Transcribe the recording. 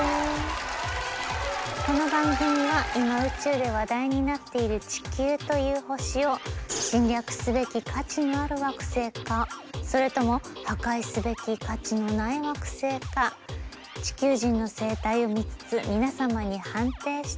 この番組は今宇宙で話題になっている地球という星を侵略すべき価値のある惑星かそれとも破壊すべき価値のない惑星か地球人の生態を見つつ皆様に判定していただきたいと思います。